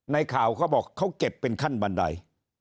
ในข่าวเขาบอกเขาเก็บเป็นขั้นบันได